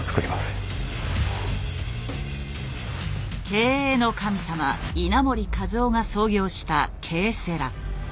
経営の神様稲盛和夫が創業したＫセラ。